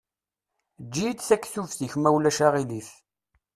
Eǧǧ-iyi-d taktubt-ik ma ulac aɣilif.